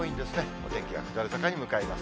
お天気は下り坂に向かいます。